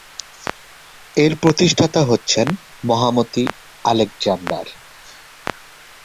এর প্রতিষ্ঠাতা হচ্ছেন মহামতি আলেকজান্ডার।